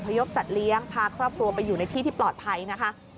ยพสัตว์เลี้ยงพาครอบครัวไปอยู่ในที่ที่ปลอดภัยนะคะ